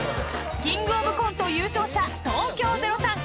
［キングオブコント優勝者東京０３